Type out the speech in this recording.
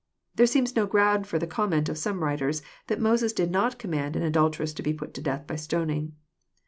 There seems no ground for the comment of some writers, that Moses did not command an adulteress to be put to death by stoning.